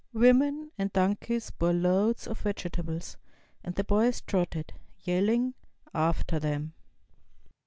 Women and donkeys bore loads of vegetables, and the boys trotted, yelling, after them.